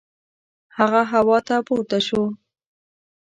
هغه هوا ته پورته شو.